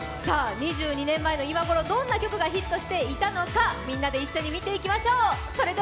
２２年前の今頃、どんな曲がヒットしていたのか、みんなで一緒に見ていきましょう。